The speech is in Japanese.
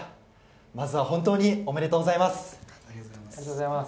まずは本当におめでとうございます。